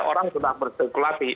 orang sudah berspekulasi